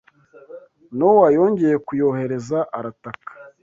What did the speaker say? Nowa yongeye kuyohereza arataka